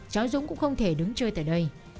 chó dũng cũng không thể đứng chơi tại đây